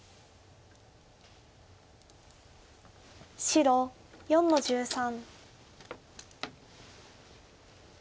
白４の十三。